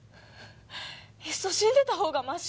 いっそ死んでた方がまし。